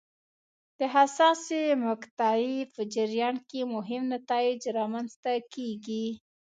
د حساسې مقطعې په جریان کې مهم نتایج رامنځته کېږي.